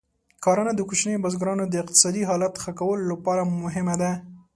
کرنه د کوچنیو بزګرانو د اقتصادي حالت ښه کولو لپاره مهمه ده.